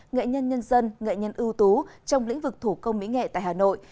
nghệ nhân nhân dân nghệ nhân ưu tú trong lĩnh vực thủ công mỹ nghệ tại hà nội